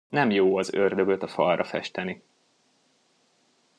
Nem jó az ördögöt a falra festeni.